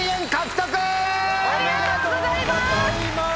ありがとうございます！